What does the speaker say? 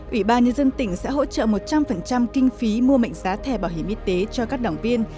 ủy ban nhân dân tỉnh sẽ hỗ trợ một trăm linh kinh phí mua mệnh giá thẻ bảo hiểm y tế cho các đảng viên